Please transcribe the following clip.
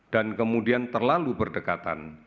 dan kemudian terlalu berdekatan